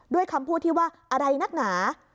คำพูดที่ว่าอะไรนักหนา